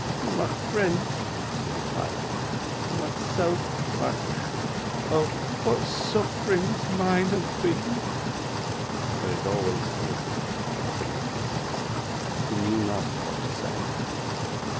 'My friends,' he replied, 'myself my oh! what sufferings mine have been!' 'There is always hope,' said Nicholas; he knew not what to say.